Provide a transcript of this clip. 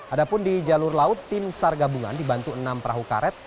ada pun di jalur laut tim sar gabungan dibantu enam perahu karet